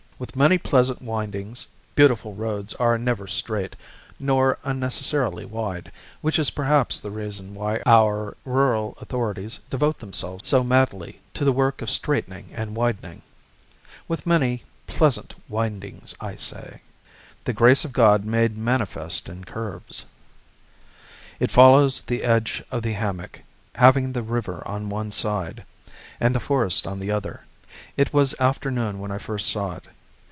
With many pleasant windings (beautiful roads are never straight, nor unnecessarily wide, which is perhaps the reason why our rural authorities devote themselves so madly to the work of straightening and widening), with many pleasant windings, I say, "The grace of God made manifest in curves," it follows the edge of the hammock, having the river on one side, and the forest on the other. It was afternoon when I first saw it.